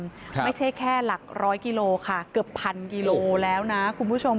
ไม่ใช่แค่หลัก๑๐๐กิโลกรัมคือเกือบ๑๐๐๐กิโลกรัมแล้วนะคุณผู้ชม